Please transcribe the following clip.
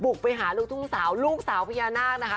ไปหาลูกทุ่งสาวลูกสาวพญานาคนะคะ